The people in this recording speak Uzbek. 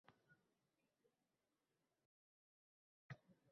Sheʼrni oʼqiydi.